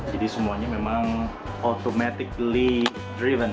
jadi semuanya memang otomatis dikendalikan